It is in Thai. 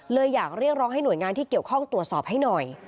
เลยอยากเรียกร้องให้หน่วยงานที่เกี่ยวข้องตรวจสอบให้หน่อย